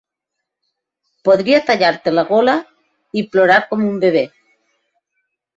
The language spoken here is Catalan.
Podria tallar-te la gola i plorar com un bebè.